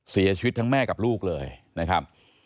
เสียชีวิตทั้งแม่กับลูกเลยนะครับ